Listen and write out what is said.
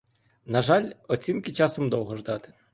На жаль, оцінки часом довго ждати.